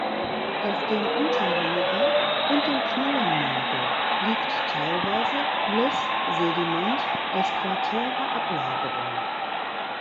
Auf dem Unterjura und dem Knollenmergel liegt teilweise Lösssediment aus quartärer Ablagerung.